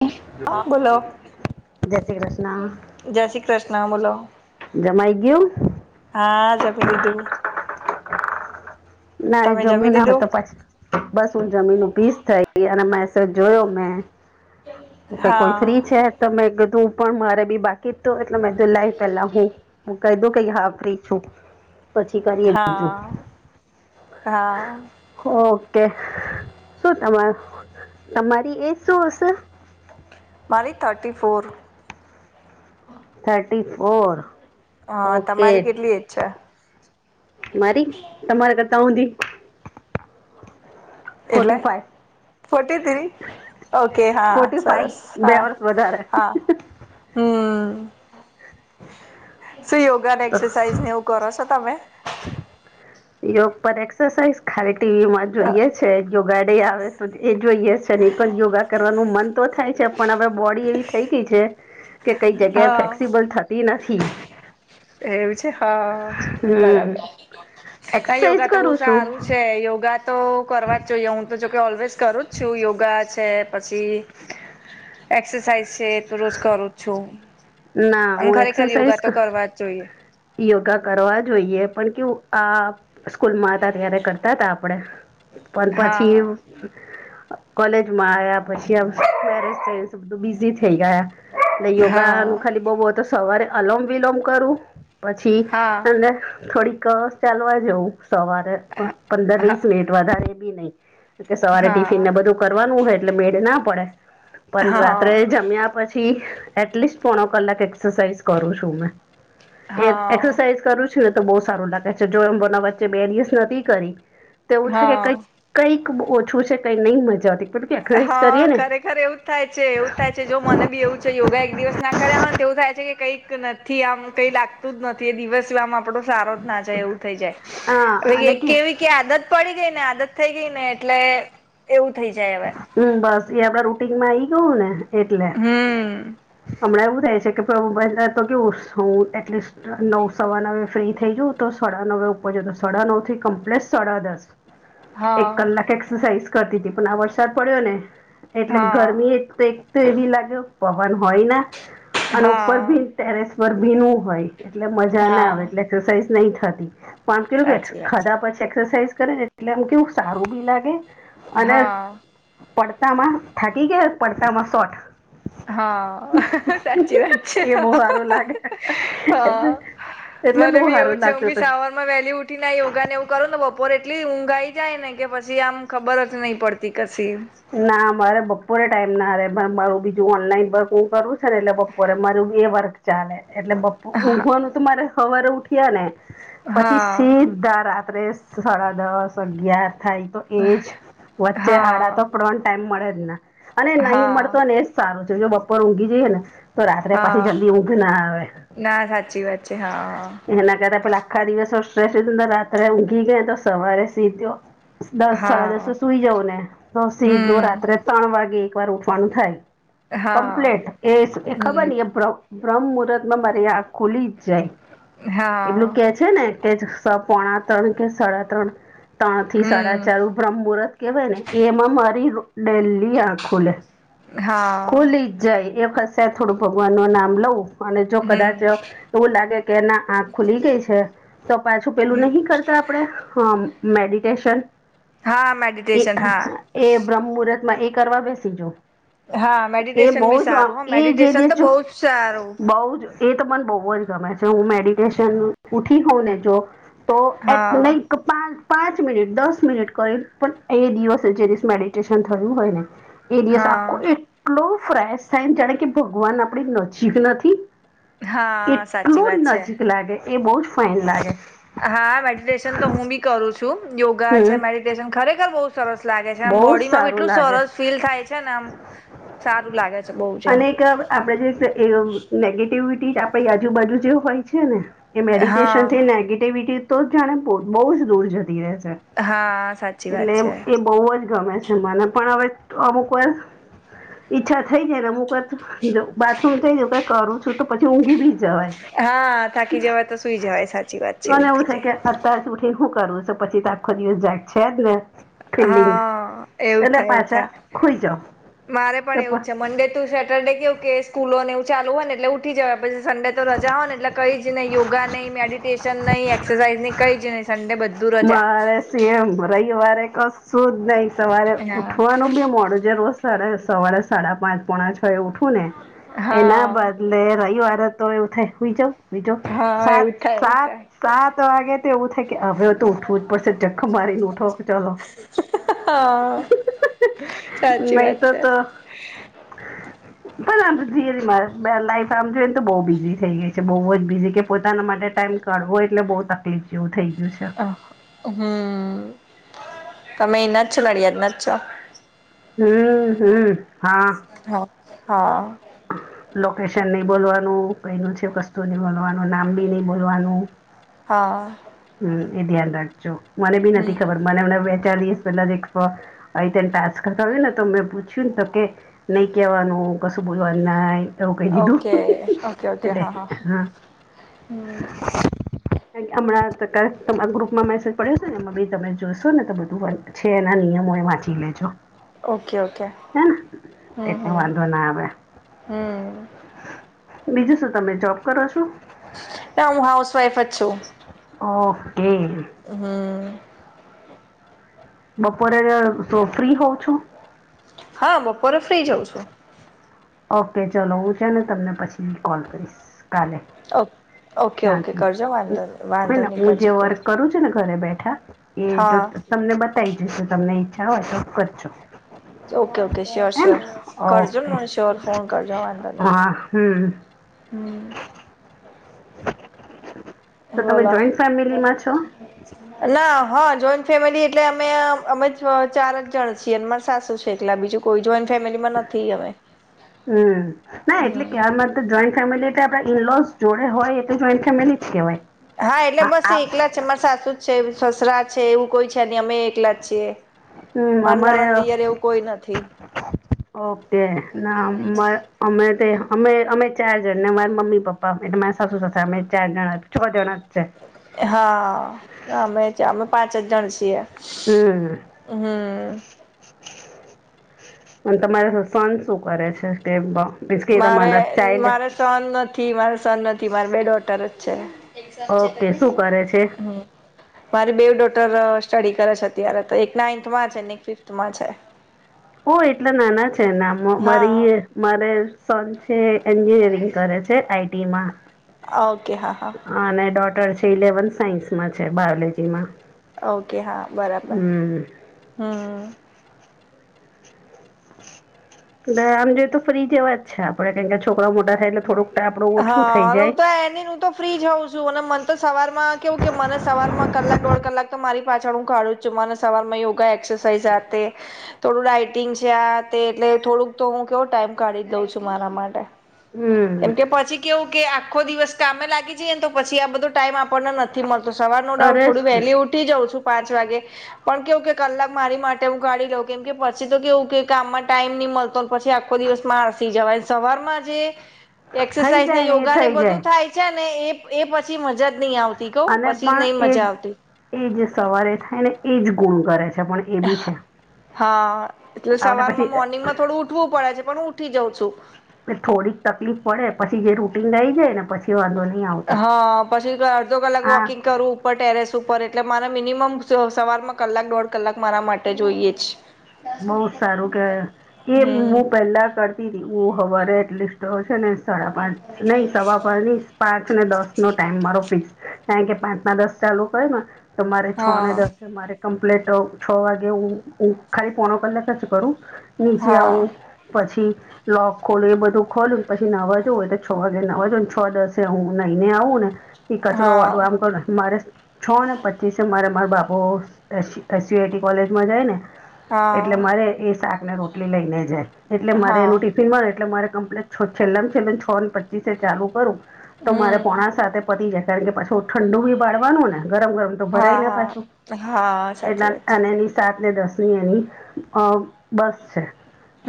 હમ હા અબ. બોલો જય શ્રી કૃષ્ણ જય શ્રી કૃષ્ણ બોલો જમાઈ ગયું. હા જમી લીધું. ના એ તમે જમી ના હોય લીધું તો પાછી બસ હું જમીન ઊભી જ થઈ અને મેસેજ જોયો મેં ક હા કોઈ ફ્રી છે. ત મેં કીધું પણ મારે બી બાકી જ તો એટલે મે કિધુ લાઈ પેલા હું કહી દવ કે હા ફ્રી છું. પછી કરીએ બીજું હા હા. ઓકે શું તમાર તમારી એજ શું હશે. મારી thirty four. Thirty four okay. અચ્છા. મારી તમારી કરતા ઓડી forty five. Forty three okay હા ફોર્ટી ફાઈવ સરસ બે હા વર્ષ વધારે હા. હમ શું યોગા ને તો એક્સરસાઇઝ ને એવું. કરો સો તમે. યોગ પર એક્સરસાઇઝ ખાલી ટીવીમાં જોઈએ છે યોગ ઉગાડે આવે તો એ જોઈએ અને એક જ યોગા કરવાનું મન તો થાય છે. પણ હવે બોડી એવી થઈ ગઈ છે કે કઈ જગ્યાએ હા ફ્લેક્સિબલ થતી નથી એવું છે હા હમ બરાબર આ યોગા એક્સરસાઇઝ તો બહુ કરું છું સારું છે યોગા તો કરવા જ જોઈએ હું જોકે ઓલ્વેઝ કરું જ છું યોગા છે પછી એક્સરસાઇઝ છે તો રોજ કરું જ છું ના અને હું ખરેખર એક્સરસાઇઝ યોગા તો કરવા જ જોઈએ. યોગા કરવા જોઈએ પણ કેવું અ સ્કૂલ મા હતા ત્યારે કરતા તા આપડે પણ હા પછી કોલેજમાં આવ્યા પછી મેરેજ થઈ તો બિઝી થઈ ગયા. એટલે યોગા નું હા ખાલી બહુ હોય તો સવારે અલોમ વિલોમ કરું. પછી હા અને થોડીક વાર ચાલવા જવું. સવારે પ પંદર હા વીસ મિનિટ વધારે બી નહીં. કે સવારે ટિફિન હા ને બધું કરવાનું હોય એટલે મેળ ના પડે, પણ રાત્રે હા જમ્યા પછી. થી એટલીસ્ટ પોણો કલાક એક્સસાઇઝ કરું છું મેં. એ જ, હા એક્સસાઇઝ કરું છું ને તો બહુ સારું લાગે છે જો હમણાં વચ્ચે બે દિવસ નતી કરી. તો એવું થાય કે કઈક, હા કઈક ઓછું છે કઈક નહી મજા આવતી. કે હ એક્સરસાઇઝ કરીએ ને ખરેખર એવું જ થાય છે, એવું જ થાય છે જો મને બી. યોગા એક દિવસના કર્યા હોય ને તો એવું થાય છે કે, કંઈક નથી આમ કંઈ લાગતું જ નથી દિવસ આમ આપણો. દાડો જ ના જાય એવું થઈ જાય, હવે હા અને એક કેવી કે આદત. પડી ગઈ ને આદત, થઈ ગઈ ને એટલે એવું થઈ જાય હવે. હમ્મ બસ એ આપડા રૂટીનમાં આઈ ગયું ને એટલે, હમ હમણાં એવું થાય છે. તો, બંધ થાય તો કેવું શોવુ એટલીસ્ટ. નવ સવાનવે ફ્રી થઈ જઉ તો, સાડા નવે ઉપર જવ તો સાડા નવથી કમ્પ્લેટ સાડા દસ. હા એક કલાક એક્સસાઇઝ કરતી હતી પણ આ વરસાદ પડ્યો ને. એટલે ગરમી હા એક તો એક તો એવી લાગે પવન હોય ના અને ઉપર હા ભી. ટેરેસ પર ભીનું હોય, એટલે મજા ના આવે હા એટલે એક્સરસાઇઝ નહી થતી. [unintelligible] સાચી વાત છે ખાધા પછી એક્સસાઇઝ કરે ને એટલે આમ કેવું સારું બી લાગે. અને હા. પડતામાં થાકી ગયા, પડતામાં શોટ. હ, સાચી વાત છે એ બહુ સારું લાગે હ. એટલે એટલે મને બહુ બી એવું સારું છે લાગતું હતું [unintelligible] મે વહેલી ઉઠીને યોગા ને એવું કરુંને બપોરે એટલી ઊંઘાઈ જાય ને કે પછી આમ ખબર જ નહીં પડતી. તી કસી. ના મારે બપોરે ટાઈમ ના રહેે, મારું બીજું ઓનલાઈન વર્ક હું કરું છું ને એટલે બપોરે મારું બી એ વર્ક. ચાલે એટલે. હા ઉઘવાનું તો મારે સવારે ઉઠ્યા ને, પછી હા સીધા રા. રાત્રે સાડા દસ, અગયાર થાય તો એજ વચ્ચે આડા. હા પડવા ટાઈમ મળે ને અને નહી હા મળતો ને એજ સારું છે, જો બપોર ઊંઘી જઈએ ને. તો રાત્રે પાછી હા જલ્દી ઊંઘ ના આવે, ના સાચી વાત છે હા એના કરતા પેલા. આખા દિવસો સ્ટ્રેસ રાત્રે ઊંઘી ગયા તો સવારે સીધ્યો. દસ, સાડા દસ હા સુઈ જવને તો સીધો હમ રાત્રે. ત્રણ વાગે એક વાર ઉઠવાનું થાય, હા કમ્પ્લેટ એ ખબર હમ ન એ. બ્રહ્મમુહૂર્તમાં મારી આંખ ખુલી જ જાય, એટલું હા કે. છે ને, કે જ પોણા ત્રણ કે સાડા ત્રણ. ત્રણથી, સાડા હમ ચારું બ્રહ્મુહૂર્ત કેવાયને. એમાં મારી ડેલી આંખ ખુલેસ, હા ખુલી. જાય, એક હશે થોડું ભગવાનનું નામ લઉં. અને જો હમ કદાચ એવું લાગે કે ના આંખ ખુલી ગઈ છે. તો પાછું પેલું નહી કરતા આપડે, હમ્મ મેડિટેશન. હા, એ મેડિટેશન હા. એ બ્રહ્મુહૂર્તમાં એ કરવા બેસી જવું. હા એ મેડિટેશન બી બહ જ સારું હ એ જે દો મેડિટેશન તો જો, બહુ જ સારું બહ જ. એ તો મને બહુ જ ગમે છે, હું મેડિટેશન ઊઠી હોઉં ને તો હા [unintelligible] પાં પાંચ મિનિટ, દસ મિનિટ કરે પણ. એ દિવસે જે દિવસ મેડિટેશન થયું હોય ને, એ દિવસ આખું હા એ. એટલો ફ્રેશ થાયને, જાણે કે ભગવાન આપણી નજીક નથી. હા સાચી એટલું વાત છે. નજીક લાગે, એ બહ જ ફાઈન લાગે. હા મેડિટેશન તો હું બી કરું છું યોગા છે હમ મેડિટેશન ખરેખર બો સરસ લાગે છે આમ બહુ જ બોડી માં બી સારું એટલું લાગે છે સરસ ફીલ થાય છે ને આમ સારું લાગે છે. બહુ જ અને એમ એક આપણેે જે નેગેટિવિટી આપણી આજુબાજુ જે હોય છે ને એ મેડિટેશન થી હા નેગેટિવિટી તો જાણે બોજ દૂર જતી રે છે હા સાચી એટલે વાત એમ છે એ બવ જ ગમે છે મને પણ હવે અમુક વાર ઈચ્છા થઈ જાય ને અમુક વાર બાત [unintelligible] કઈ કરું છું પછી ઊઘી બી જવાય હા થાકી જવાય તો સુઈ જવાય સાચી વાત છે એવું થઇ જાય [unintelligible] ઊઠી હું કરું પછી તો આખો દિવસ [unintelligible] છે જ ને ફિલિંગ હા એવું એટલે થાય એવું પાછા થાય ખોઈ જાઓ મારે તો પણ એવું પ- છે મંડે તું સેટરડે કેવું કે સ્કૂલો ને એવું ચાલુ હોય ને એટલે ઉઠી જવાય પછી સન્ડે તો રજા હો ને એટલે કઈ જ નય યોગા નય મેડિટેશન નય એક્સરસાઇઝ ની કઈ જ નય સંન્ડે બધું રજા મારે સેમ રવિવારે કશું નઈ સવારે હા ઉઠવાનું બી મોડું જે રોજ સારે સવારે સાડા પાંચ પોણા છ એ ઊઠું ને એના હા બદલે રવિવારે તો એવું થાય કે હુંઈ જાવ હુંઈ જવ હા સાત એવું થાય એવું સાત થાય સાત વાગે તો એવું થાય કે હવે તો ઊઠવું જ પડશે જખ મારી ને ઉઠો કે ચલો હા સાચી નહી વાત તો છે. તો [inaudible] પણ આમ ધીરી લાઈફ આમ જોઈ ને તો બહુ બિઝી થઈ ગઈ છે બહુ જ બિઝી કે પોતાના માટે ટાઈમ કાઢવો એટલે બો તકલીફ જેવું થઈ ગયું છે હમ્મ તમે અયના છો નડિયાદના જ ના છો હમ્મ હમ્મ હા હા હા લોકેશન નય બોલવાનું કંઈનું છે વસ્તુ નય બોલવાનું નામ બી ની બોલવાનું હા હમ્મ એ ધ્યાન રાખજો મને બી હમ નથી ખબર મને હમણાં બે ચાર દિવસ પેલા જે એક સો આઈ તે ટાસ્ક કરતા હોય ને તો મેં પૂછ્યું ન તો કે નય કેવાનું કશું બોલવાનું નય એવું કહી ઓકે દીધું ઓકે ઓકે એટલે હા હા હમ હમણાં તમારા ગ્રુપમાં મેસેજ પડ્યો છે ને એમાં બી તમે જોશો ને તો બધું છે એના નિયમો એ વાંચી લેજો. ઓકે ઓકે હેને હમ એટલે હમ વાંધો ના આવે હમ બીજું શું તમે જોબ કરો છો ના હું હાઉસ વાઈફ જ છું ઓકે હમ્મ બપોરે તો ફ્રી હોઉં છો હા બપોરે ફ્રી જ હોવ છું. ઓકે ચલો હું છે ને તમને પછી કોલ કરીશ કાલે ઓકે ઓકે શાંતિ કરજો વાંધો નહી [inaudible] વાંધો નહી હું જે કરજો કર વર્ક કરું છું ને ઘરે બેઠા એ જો હા તમને બતાવી જશું તો તમને ઈચ્છા હોય તો કરજો ઓકે ઓકે શ્યોર હે ને શ્યોર કરજો ન ઓકે મને શ્યોર ફોન કરજો વાંધો નય હા હમ્મ હમ્મ તો તમે બોલો જોઈન્ટ ફેમિલીમાં છો ના હ જોઈન્ટ ફેમિલી એટલે અમે અમે છ ચાર જ જણ છીએ ને માર સાસુ છે એકલા બીજું કોઈ જોઈન્ટ ફેમિલીમાં નથી અમે હમ ના એટલે હમ્મ કે આમાં જોઈન્ટ ફેમિલી એટલે આપણે ઇલોઝ જોડે હોય એ તો ફેમિલી જ કેવાય હા એટલે બસ એકલા જ છે માર સાસુ છે સસરા છે એવું કોઈ છે જ ની અમે એકલા જ છીએ હમ પણ અમારે નણંદ દિયર એવું કોઈ નથી ઓકે ના [unintelligible] અમે તે અમે અમે ચાર જણ ને અમારા મમ્મી પપ્પા અમાર સાસુ સસરા અમે ચાર જણા છ જણા જ છે. હા અમે અમે પાંચ જ જણ છીએ હમ્મ હમ અને તમારે સન શું કરે છે મારે [unintelligible] [unintelligible] ચાઇલ્ડ મારે સન નથી મારે સન નથી મારે બે ડોટર જ છે. ઓકે શું કરે છે. હમ મારી બેવ ડોટર સ્ટડી કરે છે અત્યારે તો એક નાઇન્થમાં છે ને એક ફિફ્થમાં છે. [unintelligible] એટલા નાના છે ના હા મારીએ મારે સન છે એન્જિનિયરિંગ કરે છે આઈ ટીમાં ઓકે, હા હા. અને ડોટર છે, ઇલેવન સાયન્સમાં છે, બાયોલોજીમાં. ઓકે, હા, બરાબર. હમ હમ્મ જરા આમ જોયે તો ફરી જાય એવાં છે આપણે, કારણ કે છોકરાં મોટાં થાય ને થોડુંક. આપડું ઓછું થઈ હા, હું જાય તો એનું [unintelligible] તો ફ્રી હોઉં છું અને મને તો સવારમાં કેવું કે, મને સવારમાં કલાક-દોઢ કલાક તો મારી પાછળ હું કાઢું સવારમાં એવું કાઈ અક્સાસાઈ આ તે થોડું રાઇટિંગ છે આ તે એટલે થોડોક તો હું કેવો ટાઈમ કાઢી દઉં છું મારા માટે એમ હમ કે પછી એવું કે આખો દિવસ કામે લાગી જઈએ તો પછી આ બધો ટાઈમ આપણને ન થી મળતો. સવારનો અરે [unintelligible] થોડી વહેલી ઊઠી જાઉં છું, પાંચ વાગે પણ કેવું કે કલાક મારી માટે હું કાઢી લઉં, કેમ કે પછી તો એવું કે કામમાં ટાઈમ ની મળતો પછી આખો દિવસ આળસી જવાય સવારમાં જે થઈ એક્સરસાઇઝ ને જાય એ યોગાને થઈ બધું જાય થાય અચ્છા, ને એ પછી મજા જ નહીં આવતી, કહું અને પછી, નહીં પણ મજા આવતી. એ એ જ સવારે થાય ને, એ જ ગુણ કરે છે, પણ એ બી છે. હા, એટલે આપણે સવારમાં પછી મોર્નિંગમાં થોડું ઊઠવું પડે છે, પણ હું ઊઠી જાઉં છું. થોડીક તકલીફ પડે, પછી જે રૂટિન આય જાય ને, પછી વાંધો નહીં આવતો હા, પછી અડધો કલાક આ વૉકિંગ કરું. ઉપર ટેરેસ ઉપર એટલે મારે મિનિમમ સવારમાં કલાક દોઢ કલાક મારા માટે જોઈએ જ બહુ સારું કવાય એ હમ હું પહેલાં કરતી તી સવારે, એટલિસ્ટ છે ને સાડા પાંચ નહીં, પણ પાંચ ને દસનો ટાઈમ ફિક્સ. કારણ કે પાંચના દસ ચાલું કરે ને તો મારે છ ને હા દસ મારે કમ્પ્લેટ છ વાગે, હું ખાલી પોણો કલાક જ કરું નીચે હા આવું પછી લોક ખોલું, એ બધું ખોલું. પછી નાવું જોવું હોય તો છ વાગે નવું જોવું ને? છ દસે હું નાઈ ને આવું ને? એ કચરો વાળવા હા આમ કર, મારે. છ ને પચીસે મારે મારા બાપુ એસુઆઈટી કોલેજમાં જાય ને. એટલે હા મારે એ શાક ને રોટલી લઈને જાય, એટલે મારે એનું હા ટી મળે એટલે મારે કમ્પ્લીટ. છેલ્લે-છેલ્લે છ ને પચીસે ચાલુ કરું તો મારે હમ પોણા સાતે. પતી જાય, કારણ કે પાછું ઠંડું બી પાડવાનું ને ગરમ-ગરમ ભરાઈ હા ના પાછું હા હા સાચી એટલા વાત છે અને એની સાત ને દસની એની અ બસ છે.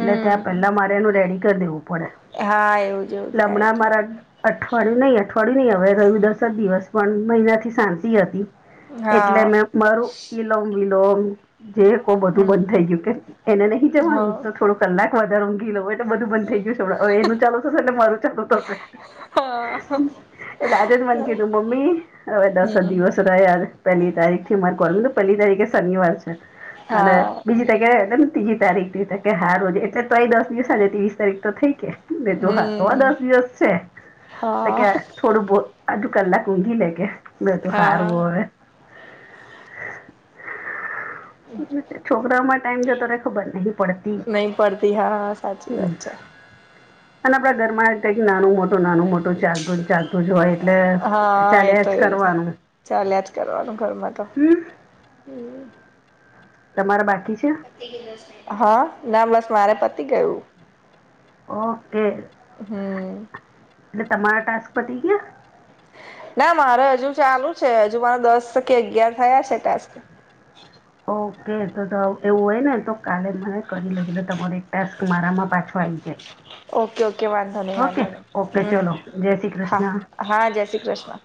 [unintelligible] પહેલાં મારે એનું રેડી કર દેવું પડે. હા, એવું જોવું એટલે થાય, હમણાં થાય. મારા અઠવાડિયું નહીં, અઠવાડિયું નહીં, હવે રહ્યું દસ જ દિવસ, પણ મહિનાથી શાંતિ હતી. એટલે હા મેં મારું ઇલોમ-વિલોમ જે હમ બંધ થઈ ગયું કે, એને નહીં જવાનું, હા તો થોડો કલાક વધારો ઊઘી લેવું એમ. એટલે બધું બંધ થઈ ગયું છે, હવે એનું ચાલુ થશે એટલે મારું ચાલુ થશે. હા એટલે આજે જ મને કીધું, મમ્મી, હવે દસ હમ દિવસ રહ્યા છે, પહેલી તારીખથી મારે કરવું છે, પહેલી તારીખે શનિવાર છે અને હા બીજી તે કેય ન ત્રીજી તારીખથી તે કે હા, હરરોજ એટલે તો એ દસ દિવસમાં ત્રેવીસ તારીખ તો થઈ ગઈ ને? બે તો હા, તો આ હમ દસ દિવસ છે તો કે હા થોડું બો અધું કલાક ઊંઘી લે કે, મેં તો હા હારવું હવે. [inaudible] શામાં ટાઈમ જતો રહે, ખબર નહીં પડતી? નહી પડતી હા સાચી હમ્મ. વાત છે અને આપણા ઘરમાં કંઈક નાનું-મોટું, નાનું-મોટું ચાલે છે. [inaudible] ચાલતું જ હોય એટલે હા એ ચાલીયા તો જ એવું છે કરવાનું. ચાલ્યા જ કરવાનું, ઘરમાં તો. હમ તમારા બાકી છે. [unintelligible] હ ના બસ મારે પતી ગયું. ઓકે હમ એટલે તમારા ટાસ્ક પતી ગ્યા. ના મારે હજુ ચાલુ છે, હજુ મારા દસ કે અગિયાર થયા છે ટાસ્ક. ઓકે તો તો એવું હોય ને તો કાલે મને કરી લેજ ને તમારી. ટાસ્ક મારામાં પાછો આઈ જાય. ઓકે ઓકે વાંધો નહી ઓકે વાંધો નહી ઓકે હમ ચલો જય શ્રી હા કૃષ્ણ. હા જય શ્રી કૃષ્ણ.